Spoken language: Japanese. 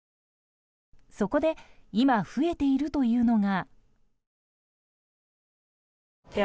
そこで今増えているというのが。